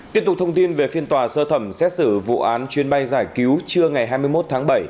tiếp tục thông tin về phiên tòa sơ thẩm xét xử vụ án chuyến bay giải cứu trưa ngày hai mươi một tháng bảy